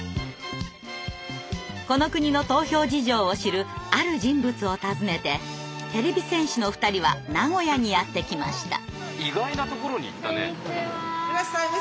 この国の投票事情を知るある人物を訪ねててれび戦士の２人は名古屋にやって来ました。